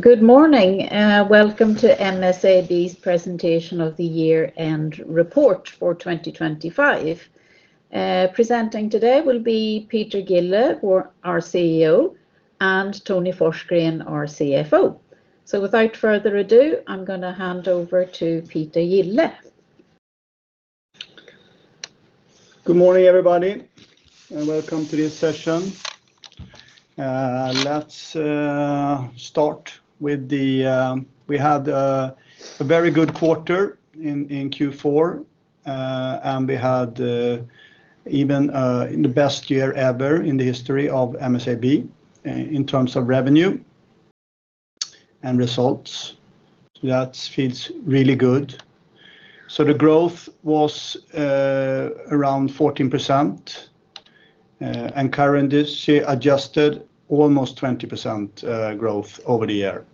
Good morning, welcome to MSAB's presentation of the year-end report for 2025. Presenting today will be Peter Gille, our, our CEO, and Tony Forsgren, our CFO. Without further ado, I'm gonna hand over to Peter Gille. Good morning, everybody, and welcome to this session. Let's start with the... We had a very good quarter in Q4, and we had even in the best year ever in the history of MSAB in terms of revenue and results. That feels really good. So the growth was around 14%, and currency-adjusted almost 20% growth over the year.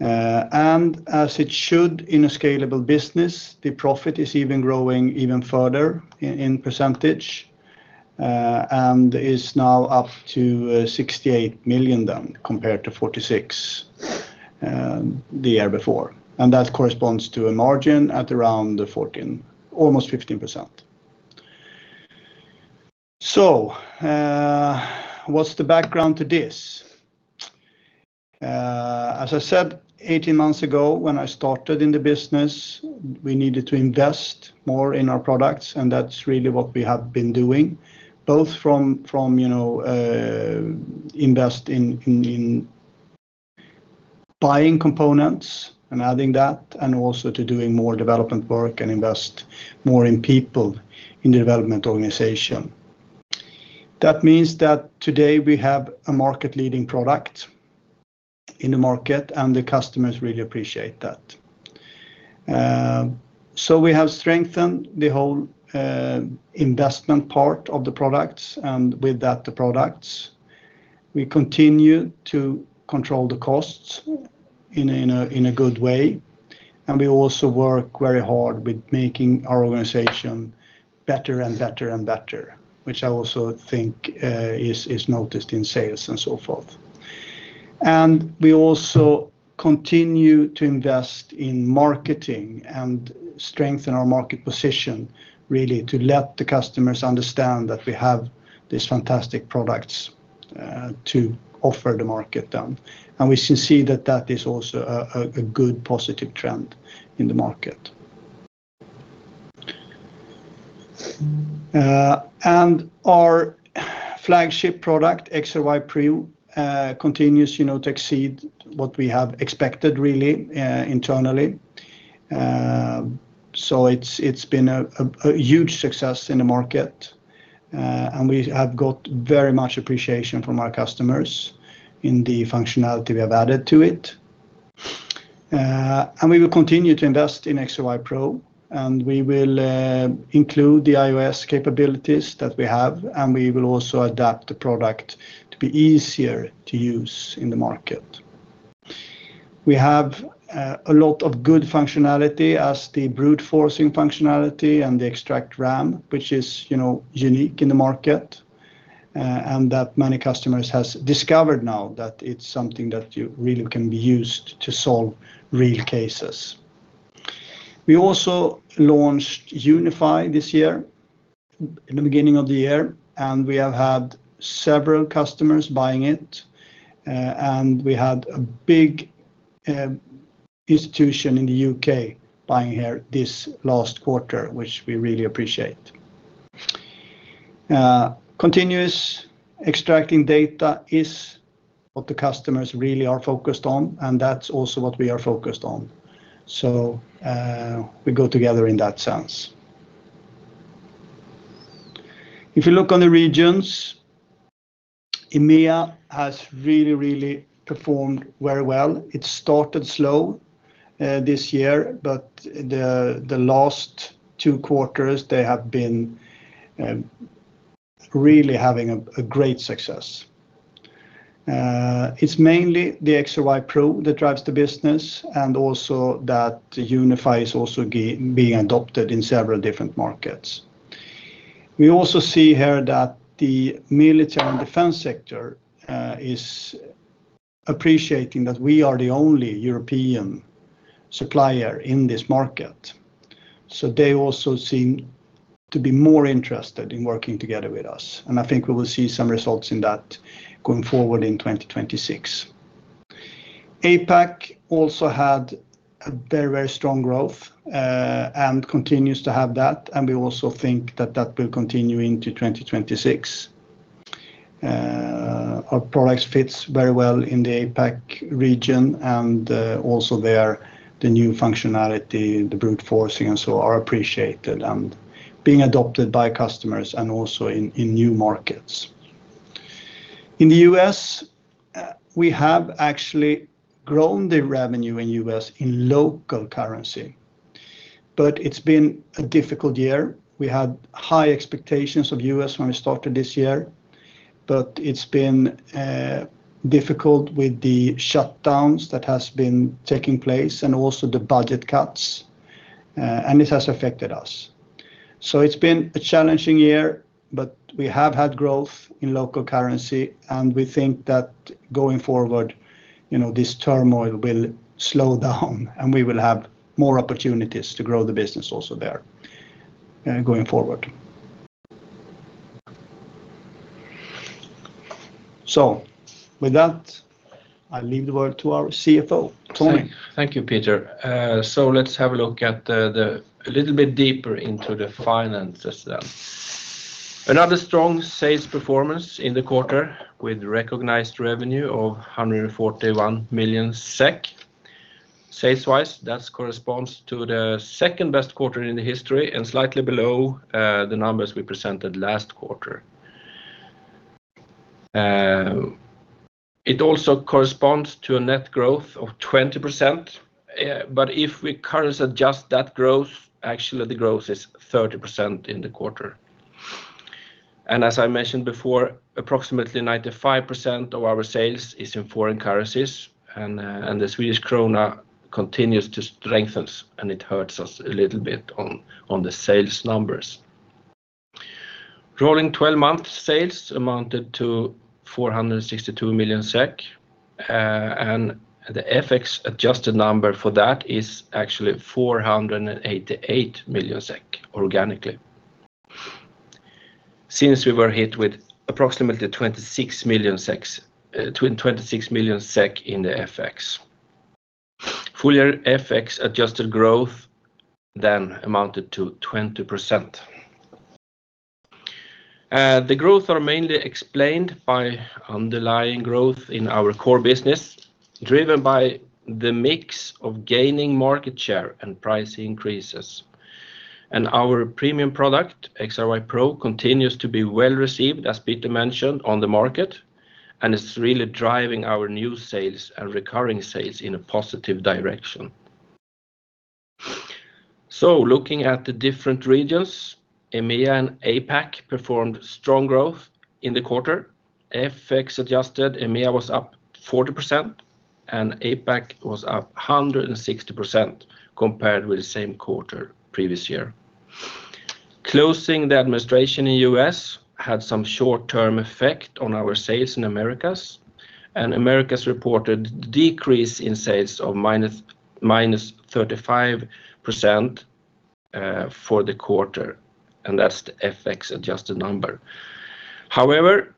And as it should in a scalable business, the profit is even growing even further in percentage and is now up to 68 million compared to 46 million the year before, and that corresponds to a margin at around 14%, almost 15%. So, what's the background to this? As I said, 18 months ago, when I started in the business, we needed to invest more in our products, and that's really what we have been doing, both from you know invest in buying components and adding that, and also to doing more development work and invest more in people in the development organization. That means that today we have a market-leading product in the market, and the customers really appreciate that. So we have strengthened the whole investment part of the products, and with that, the products. We continue to control the costs in a good way, and we also work very hard with making our organization better and better and better, which I also think is noticed in sales and so forth. And we also continue to invest in marketing and strengthen our market position, really, to let the customers understand that we have these fantastic products to offer the market then, and we see that that is also a good positive trend in the market. And our flagship product, XRY Pro, continues, you know, to exceed what we have expected, really, internally. So it's been a huge success in the market, and we have got very much appreciation from our customers in the functionality we have added to it. And we will continue to invest in XRY Pro, and we will include the iOS capabilities that we have, and we will also adapt the product to be easier to use in the market. We have a lot of good functionality as the brute-forcing functionality and the extract RAM, which is, you know, unique in the market, and that many customers has discovered now that it's something that you really can be used to solve real cases. We also launched Unify this year, in the beginning of the year, and we have had several customers buying it, and we had a big institution in the U.K. buying here this last quarter, which we really appreciate. Continuous extracting data is what the customers really are focused on, and that's also what we are focused on, so we go together in that sense. If you look on the regions, EMEA has really, really performed very well. It started slow this year, but the last two quarters, they have been really having a great success. It's mainly the XRY Pro that drives the business, and also that the Unify is also being adopted in several different markets. We also see here that the military and defense sector is appreciating that we are the only European supplier in this market, so they also seem to be more interested in working together with us, and I think we will see some results in that going forward in 2026. APAC also had a very, very strong growth and continues to have that, and we also think that that will continue into 2026. Our products fits very well in the APAC region, and also there, the new functionality, the brute forcing, and so are appreciated and being adopted by customers and also in new markets. In the U.S., we have actually grown the revenue in U.S. in local currency, but it's been a difficult year. We had high expectations of U.S. when we started this year, but it's been difficult with the shutdowns that has been taking place and also the budget cuts, and it has affected us. So it's been a challenging year, but we have had growth in local currency, and we think that going forward, you know, this turmoil will slow down, and we will have more opportunities to grow the business also there, going forward. So with that, I leave the word to our CFO, Tony. Thank you, Peter. So let's have a look at a little bit deeper into the finances then. Another strong sales performance in the quarter, with recognized revenue of 141 million SEK. Sales-wise, that corresponds to the second-best quarter in the history and slightly below the numbers we presented last quarter. It also corresponds to a net growth of 20%. But if we currency adjust that growth, actually, the growth is 30% in the quarter. And as I mentioned before, approximately 95% of our sales is in foreign currencies, and the Swedish krona continues to strengthens, and it hurts us a little bit on the sales numbers. Rolling twelve-month sales amounted to 462 million SEK, and the FX-adjusted number for that is actually 488 million SEK organically. Since we were hit with approximately 26 million in the FX. Full-year FX-adjusted growth then amounted to 20%. The growth are mainly explained by underlying growth in our core business, driven by the mix of gaining market share and price increases. Our premium product, XRY Pro, continues to be well-received, as Peter mentioned, on the market, and it's really driving our new sales and recurring sales in a positive direction. Looking at the different regions, EMEA and APAC performed strong growth in the quarter. FX-adjusted, EMEA was up 40%, and APAC was up 160% compared with the same quarter previous year. Closing the administration in U.S. had some short-term effect on our sales in Americas, and Americas reported decrease in sales of minus 35%, for the quarter, and that's the FX-adjusted number. However,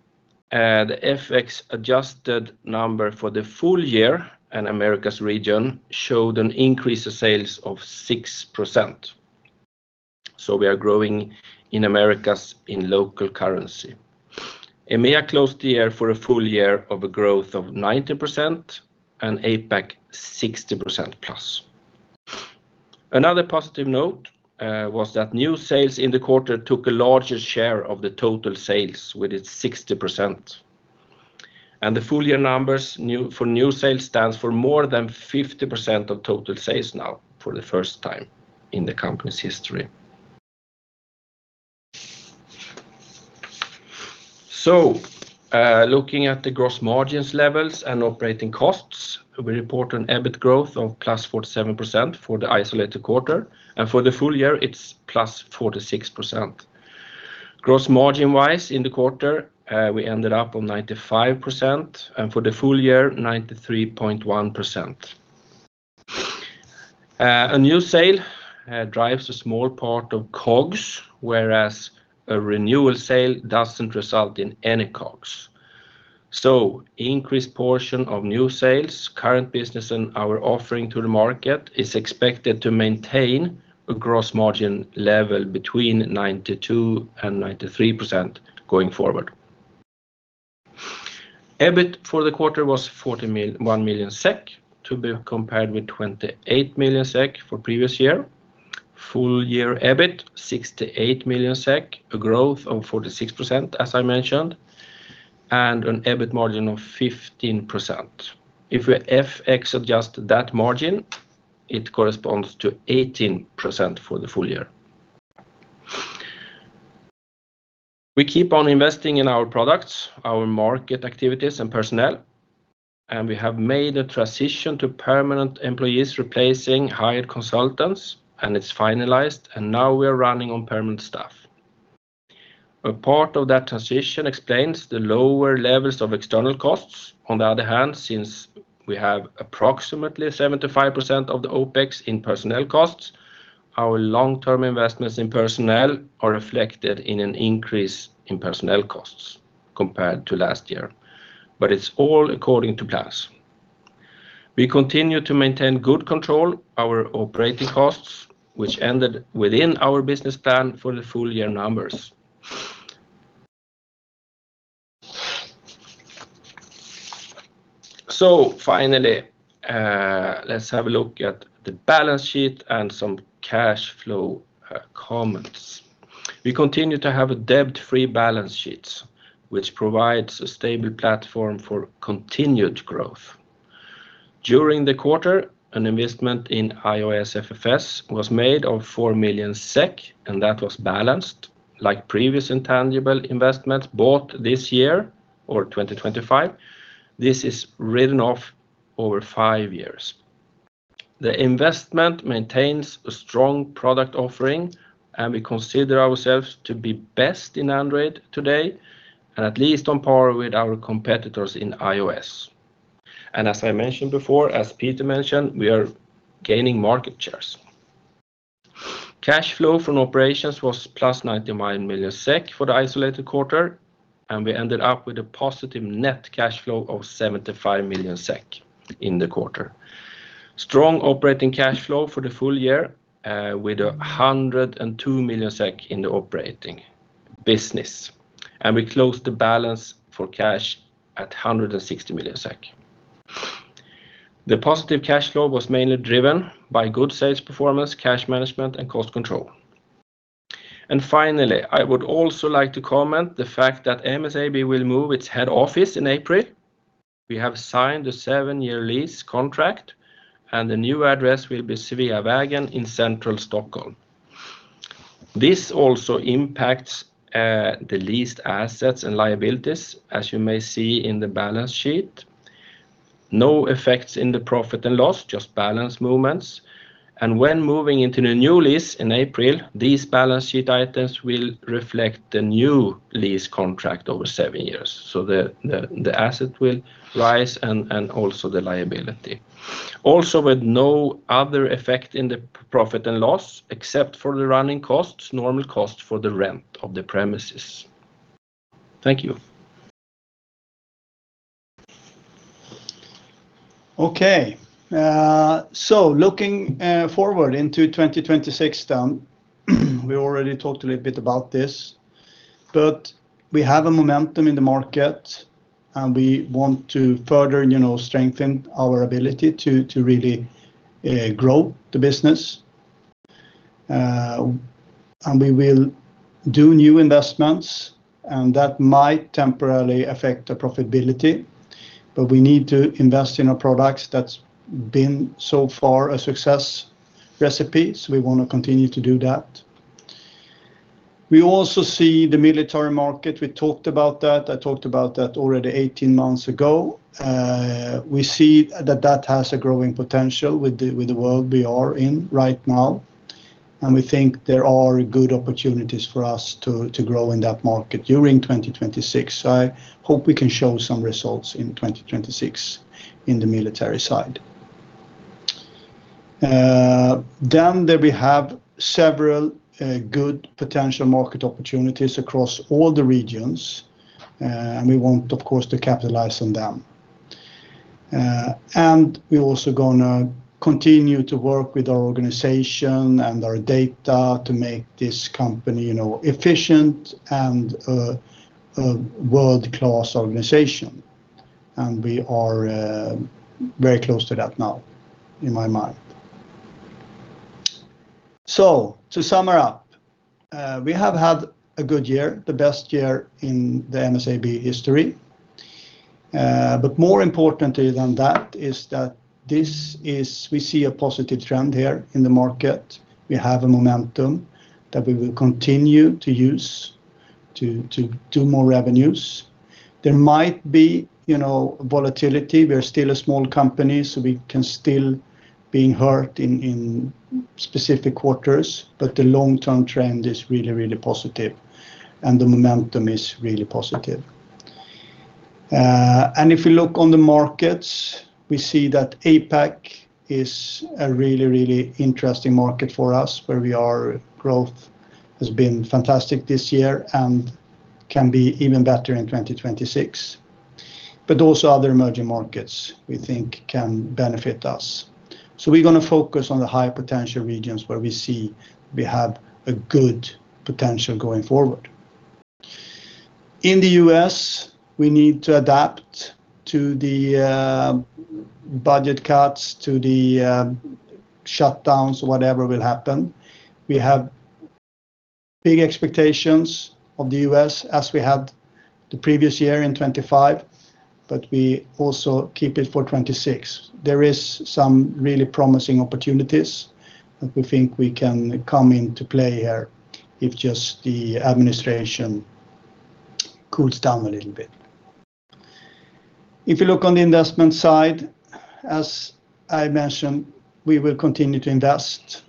the FX-adjusted number for the full year in Americas region showed an increase of sales of 6%, so we are growing in Americas in local currency. EMEA closed the year for a full year of a growth of 90% and APAC, 60%+. Another positive note was that new sales in the quarter took a larger share of the total sales, with it 60%, and the full year numbers, new, for new sales stands for more than 50% of total sales now for the first time in the company's history. So, looking at the gross margins levels and operating costs, we report an EBIT growth of +47% for the isolated quarter, and for the full year, it's +46%. Gross margin-wise, in the quarter, we ended up on 95%, and for the full year, 93.1%. A new sale drives a small part of COGS, whereas a renewal sale doesn't result in any COGS. So increased portion of new sales, current business, and our offering to the market is expected to maintain a gross margin level between 92%-93% going forward. EBIT for the quarter was 1 million SEK, to be compared with 28 million SEK for previous year. Full year EBIT, 68 million SEK, a growth of 46%, as I mentioned, and an EBIT margin of 15%. If we FX-adjust that margin, it corresponds to 18% for the full year. We keep on investing in our products, our market activities, and personnel, and we have made a transition to permanent employees replacing hired consultants, and it's finalized, and now we are running on permanent staff. A part of that transition explains the lower levels of external costs. On the other hand, since we have approximately 75% of the OpEx in personnel costs, our long-term investments in personnel are reflected in an increase in personnel costs compared to last year, but it's all according to plan. We continue to maintain good control over our operating costs, which ended within our business plan for the full year numbers. So finally, let's have a look at the balance sheet and some cash flow comments. We continue to have a debt-free balance sheet, which provides a stable platform for continued growth. During the quarter, an investment in iOS FFS was made of 4 million SEK, and that was balanced, like previous intangible investments, bought this year or 2025. This is written off over five years. The investment maintains a strong product offering, and we consider ourselves to be best in Android today, and at least on par with our competitors in iOS. And as I mentioned before, as Peter mentioned, we are gaining market shares. Cash flow from operations was +99 million SEK for the isolated quarter, and we ended up with a positive net cash flow of 75 million SEK in the quarter. Strong operating cash flow for the full year, with 102 million SEK in the operating business, and we closed the balance for cash at 160 million SEK. The positive cash flow was mainly driven by good sales performance, cash management, and cost control. And finally, I would also like to comment the fact that MSAB will move its head office in April. We have signed a seven-year lease contract, and the new address will be Sveavägen in Central Stockholm. This also impacts the leased assets and liabilities, as you may see in the balance sheet. No effects in the profit and loss, just balance movements. And when moving into the new lease in April, these balance sheet items will reflect the new lease contract over seven years. So the asset will rise and also the liability. Also, with no other effect in the profit and loss, except for the running costs, normal costs for the rent of the premises. Thank you. Okay, so looking forward into 2026 then, we already talked a little bit about this, but we have a momentum in the market, and we want to further, you know, strengthen our ability to, to really grow the business. And we will do new investments, and that might temporarily affect the profitability, but we need to invest in our products. That's been, so far, a success recipe, so we want to continue to do that. We also see the military market. We talked about that. I talked about that already 18 months ago. We see that that has a growing potential with the, with the world we are in right now, and we think there are good opportunities for us to, to grow in that market during 2026. So I hope we can show some results in 2026 in the military side. Then there we have several, good potential market opportunities across all the regions, and we want, of course, to capitalize on them. And we're also gonna continue to work with our organization and our data to make this company, you know, efficient and, a world-class organization, and we are, very close to that now, in my mind. So to sum it up, we have had a good year, the best year in the MSAB history. But more importantly than that, is that this is... We see a positive trend here in the market. We have a momentum that we will continue to use to, to do more revenues. There might be, you know, volatility. We're still a small company, so we can still be hurt in specific quarters, but the long-term trend is really, really positive, and the momentum is really positive. And if you look on the markets, we see that APAC is a really, really interesting market for us, where our growth has been fantastic this year and can be even better in 2026. But also other emerging markets, we think can benefit us. So we're gonna focus on the high-potential regions where we see we have a good potential going forward. In the U.S., we need to adapt to the budget cuts, to the shutdowns, whatever will happen. We have big expectations of the U.S., as we had the previous year in 2025, but we also keep it for 2026. There is some really promising opportunities that we think we can come into play here if just the administration cools down a little bit. If you look on the investment side, as I mentioned, we will continue to invest,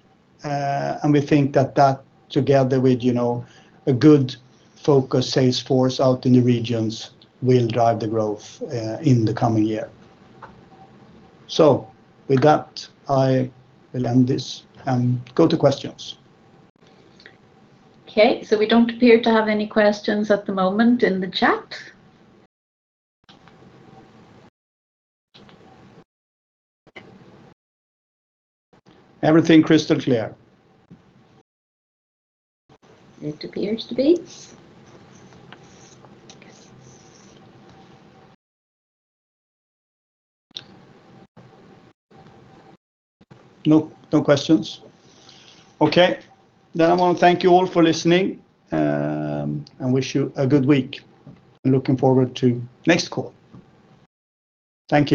and we think that that, together with, you know, a good focused sales force out in the regions, will drive the growth, in the coming year. So with that, I will end this and go to questions. Okay, so we don't appear to have any questions at the moment in the chat. Everything crystal clear? It appears to be. No, no questions? Okay, then I want to thank you all for listening, and wish you a good week. I'm looking forward to next call. Thank you.